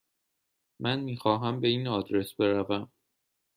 من میخواهم به این آدرس بروم.